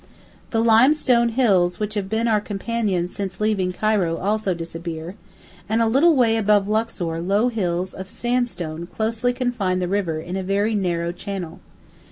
The limestone hills which have been our companions since leaving Cairo also disappear, and a little way above Luxor low hills of sandstone closely confine the river in a very narrow channel.